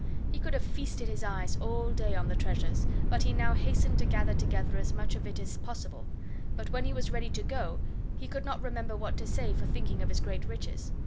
He could have feasted his eyes all day on the treasures, but he now hastened to gather together as much of it as possible; but when he was ready to go he could not remember what to say for thinking of his great riches.